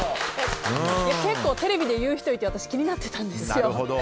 結構、テレビで言う人いて気になってたんですよ。